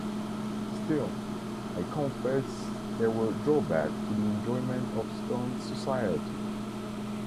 Still, I confess there were drawbacks to the enjoyment of Stone's society.